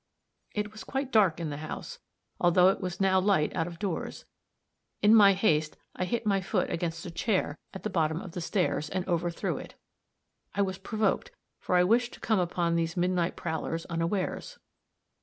It was quite dark in the house, although it was now light out of doors; in my haste, I hit my foot against a chair at the bottom of the stairs, and overthrew it. I was provoked, for I wished to come upon these midnight prowlers unawares.